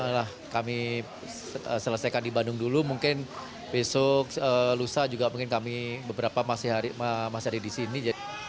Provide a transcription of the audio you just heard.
nah kami selesaikan di bandung dulu mungkin besok lusa juga mungkin kami beberapa masih ada di sini